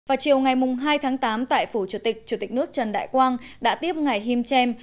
vào chiều ngày hai tháng tám tại phủ chủ tịch chủ tịch nước trần đại quang đã tiếp ngày him chem